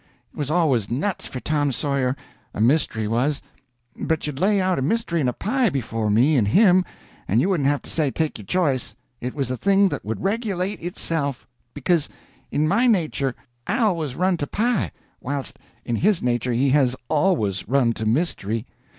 It was always nuts for Tom Sawyer—a mystery was. If you'd lay out a mystery and a pie before me and him, you wouldn't have to say take your choice; it was a thing that would regulate itself. Because in my nature I have always run to pie, whilst in his nature he has always run to mystery.